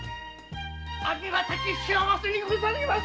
ありがたき幸せにございます！